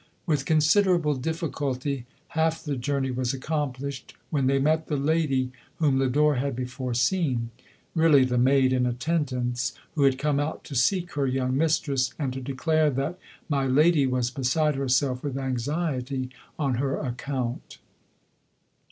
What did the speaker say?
With considerable diffi culty, half the journey was accomplished, when they met the " lady v whom Lodorc had before seen ;— really the maid in attendance, who had come out to seek her young mistress, and to declare that " my lady " was beside herself with anxiety on her account.